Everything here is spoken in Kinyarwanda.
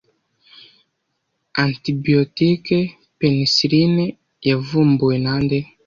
Antibiyotike penisiline yavumbuwe nande